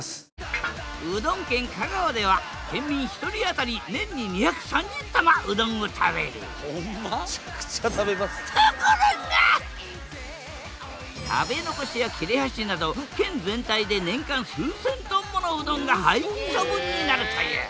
うどん県香川では県民１人当たり年に２３０玉うどんを食べる食べ残しや切れはしなど県全体で年間数千トンものうどんが廃棄処分になるという。